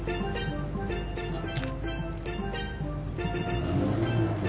あっ。